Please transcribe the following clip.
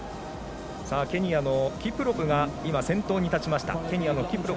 ケニアのキプロプが先頭に立ちました。